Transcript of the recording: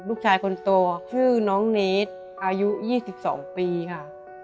ลูกชายคนโตชื่อน้องเนสอายุ๒๒ปีค่ะ